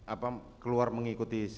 apa keluar mengikuti ferdis sambo